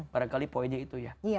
barangkali poinnya itu ya